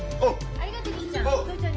ありがとう銀ちゃん。